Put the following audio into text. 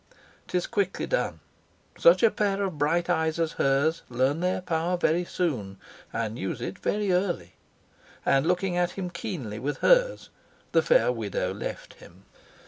'Tis quickly done. Such a pair of bright eyes as hers learn their power very soon, and use it very early." And, looking at him keenly with hers, the fair widow left him.